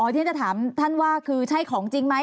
ที่จะถามท่านว่าคือใช่ของจริงไหม